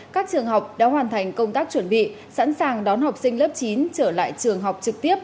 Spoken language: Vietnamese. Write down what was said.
các trường học đã hoàn thành công tác chuẩn bị sẵn sàng đón học sinh lớp chín trở lại trường học trực tiếp